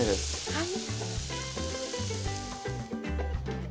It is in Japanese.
はい。